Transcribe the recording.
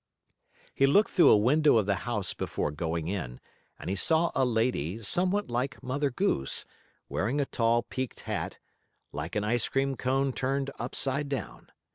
He looked through a window of the house before going in, and he saw a lady, somewhat like Mother Goose, wearing a tall, peaked hat, like an ice cream cone turned upside down.